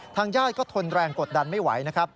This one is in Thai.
ทางญาติก็ทนแรงกดดันไม่ไหวนะครับ